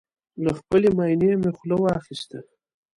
له خپلې ماينې مې خوله واخيسته